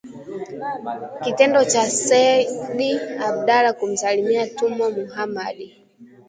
Kitendo cha Sayyid Abdallah kumsalia Tumwa Muhammadi